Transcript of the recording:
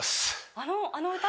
あのあの歌？